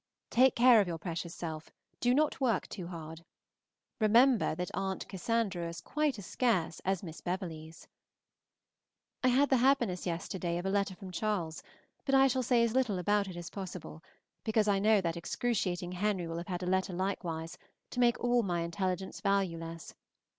Take care of your precious self; do not work too hard. Remember that Aunt Cassandras are quite as scarce as Miss Beverleys. I had the happiness yesterday of a letter from Charles, but I shall say as little about it as possible, because I know that excruciating Henry will have had a letter likewise, to make all my intelligence valueless.